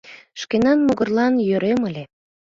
Шкенан могырлан йӧрем ыле.